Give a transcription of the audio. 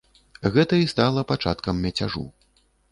Гэта і стала пачаткам мяцяжу.